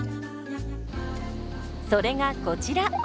それがこちら。